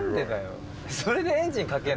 それでエンジンかけるの？